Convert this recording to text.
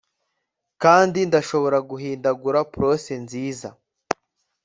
kandi ndashobora guhindagura prose nziza